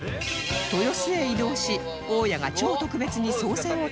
豊洲へ移動し大家が超特別に操船を体験